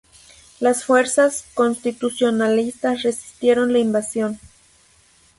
Las fuerzas constitucionalistas resistieron la invasión.